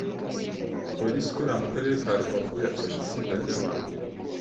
Polisi ikorera mu Karere ka Rubavu yafashe itsinda ry’abantu